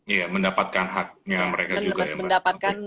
iya mendapatkan haknya mereka juga ya